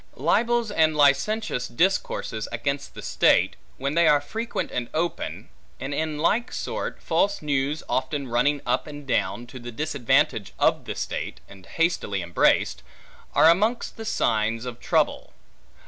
Libels and licentious discourses against the state, when they are frequent and open; and in like sort, false news often running up and down, to the disadvantage of the state, and hastily embraced; are amongst the signs of troubles.